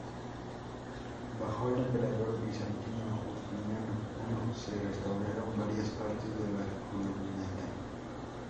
Bajo el emperador bizantino, Justiniano I, se restauraron varias partes de la columnata.